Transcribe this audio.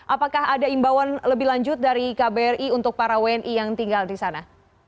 apakah ada imbauan lebih lanjut dari kbri untuk para wni yang tinggal di sana